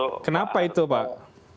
kenapa itu pak